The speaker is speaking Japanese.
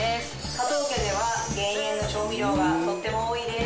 加藤家では減塩の調味料がとっても多いです。